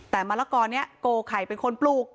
แต่มะละกอนี้โกไข่เป็นคนปลูก